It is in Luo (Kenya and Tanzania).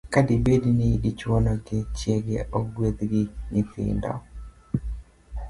Ka dibedi ni dichwo no gi chiege ogwedh gi nyithindo,